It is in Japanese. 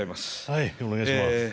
はいお願いします。